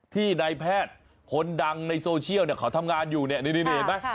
ที่นายแพทย์คนดังในโซเชียลเขาทำงานอยู่เนี่ยนี่เห็นไหม